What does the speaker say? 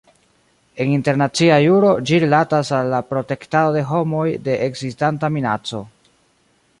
En internacia juro ĝi rilatas al la "protektado de homoj de ekzistanta minaco".